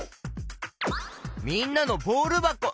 みんなのボールばこ。